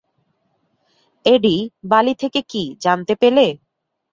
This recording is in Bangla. এডি, বালি থেকে কী জানতে পেলে?